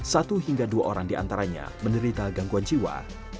satu hingga dua orang di antaranya menderita gangguan jiwa